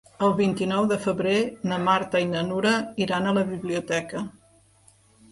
El vint-i-nou de febrer na Marta i na Nura iran a la biblioteca.